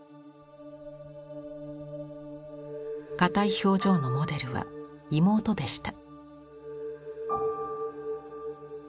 かたい表情のモデルは妹でした。